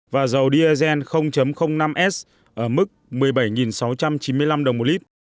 và dầu diesel năm s ở mức một mươi bảy sáu trăm chín mươi năm đồng một lít